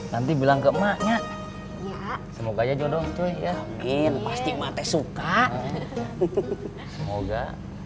nanti bilang ke emaknya semoga aja jodoh cuy ya pasti mati suka semoga